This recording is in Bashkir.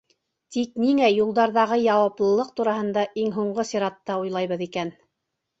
Тик ниңә юлдарҙағы яуаплылыҡ тураһында иң һуңғы сиратта уйлайбыҙ икән?